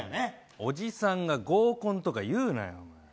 おじさんが合コンとか言うなよ！